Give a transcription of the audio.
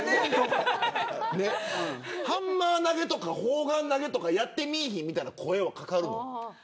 ハンマー投げとか砲丸投げとかやってみいひんみたいな声は掛かるの。